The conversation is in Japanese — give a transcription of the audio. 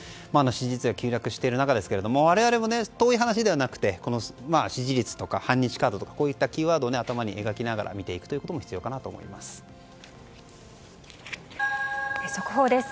支持率が急落している中ですが我々も遠い話ではなくて支持率とか反日カードとかこういったキーワードを頭に描きながら見ていくことも速報です。